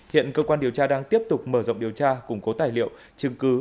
hiện cơ quan điều tra đang tiếp tục mở rộng điều tra củng cố tài liệu chứng cứ